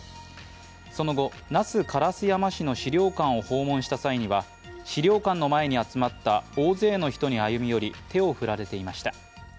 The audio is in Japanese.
その後、那須烏山市の資料館を訪問した際には資料館の前に集まった大勢の人に歩み寄り、手を振られていました。